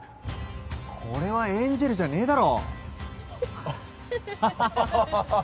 これはエンジェルじゃねえだろ！